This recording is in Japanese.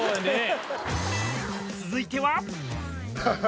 続いては。